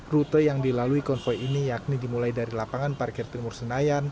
rute yang dilalui konvoy ini yakni dimulai dari lapangan parkir timur senayan